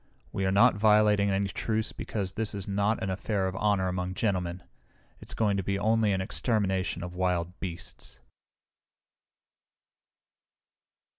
We are not violating any truce because this is not an affair of honor among gentlemen. It's going to be only an extermination of wild beasts!"